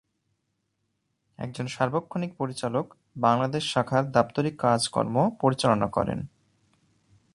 একজন সার্বক্ষণিক পরিচালক বাংলাদেশ শাখার দাপ্তরিক কাজকর্ম পরিচালনা করেন।